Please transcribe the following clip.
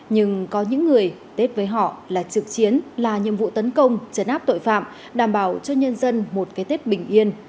nhưng có những người tết với họ là trực chiến là nhiệm vụ tấn công chấn áp tội phạm đảm bảo cho nhân dân một cái tết bình yên